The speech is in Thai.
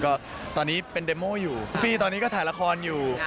ก็ตอนนี้เป็นเดมโม่อยู่ฟี่ตอนนี้ก็ถ่ายละครอยู่